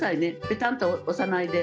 ペタンと押さないで。